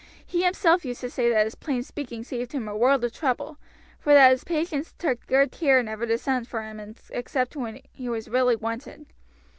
He himself used to say that his plain speaking saved him a world of trouble, for that his patients took good care never to send for him except when he was really wanted.